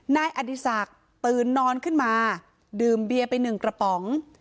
นายอดีศักดิ์ตื่นนอนขึ้นมาดื่มเบียร์ไปหนึ่งกระป๋อง